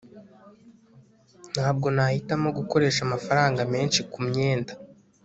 ntabwo nahitamo gukoresha amafaranga menshi kumyenda